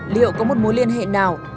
liệu có một mối liên hệ nào